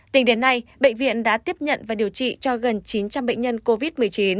tính đến nay bệnh viện đã tiếp nhận và điều trị cho gần chín trăm linh bệnh nhân covid một mươi chín